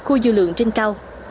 khu dư lượng trên cao